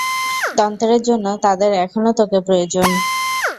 তন্ত্রের জন্য তাদের এখনও তোকে প্রয়োজন।